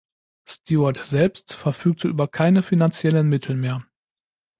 Stuart selbst verfügte über keine finanziellen Mittel mehr.